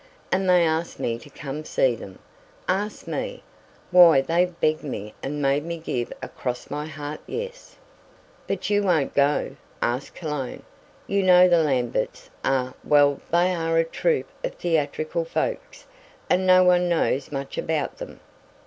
And they asked me to come see them! Asked me! Why they begged me and made me give a cross my heart yes." "But you won't go?" asked Cologne. "You know the Lamberts are well they are a troup of theatrical folks, and no one knows much about them."